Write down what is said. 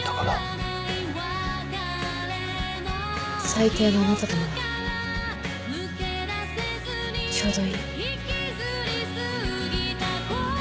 最低なあなたとならちょうどいい。